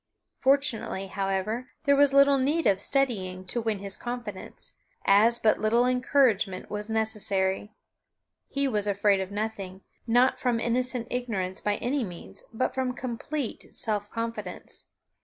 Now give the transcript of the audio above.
Fortunately, however, there was little need of studying to win his confidence, as but little encouragement was necessary. He was afraid of nothing; not from innocent ignorance by any means, but from complete self confidence.